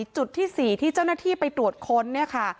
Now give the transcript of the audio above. จุดที่๔ที่เจ้าหน้าที่ไปตรวจค้นเนี่ยค่ะ